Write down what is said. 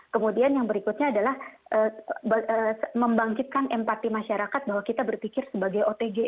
kemudian yang berikutnya adalah membangkitkan empati masyarakat bahwa kita berpikir sebagai otg